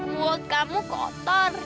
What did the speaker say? buat kamu kotor